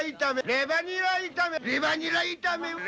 レバニラ炒めを。